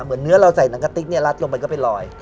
เหมือนเนื้อเราใส่หนังกาติ๊กรัดลงไปก็เป็นรอย